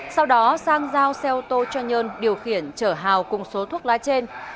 sau đó sang giao xe ô tô cho nhơn điều khiển trở hào cùng số thuốc lá trên